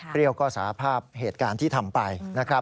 เปรี้ยวก็สาธารณ์ภาพเหตุการณ์ที่ทำไป